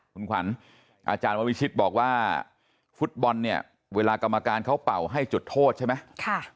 คุณขวัญอาจารย์ววิชิตบอกว่าฟุตบอลเนี่ยเวลากรรมการเขาเป่าให้จุดโทษใช่ไหม